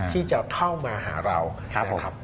ที่จะเข้ามาหาเราครับผม